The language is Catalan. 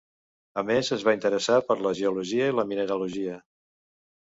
A més es va interessar per la geologia i la mineralogia.